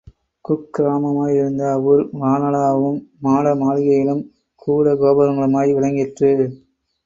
குக்கிராம மாய் இருந்த அவ்வூர் வானளாவும் மாடமாளிகைகளும் கூடகோபுரங்களுமாய் விளங்கிற்று.